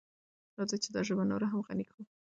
راځئ چې دا ژبه نوره هم غني کړو.